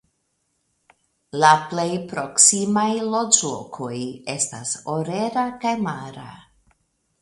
La plej proksimaj loĝlokoj estas Orera kaj Mara.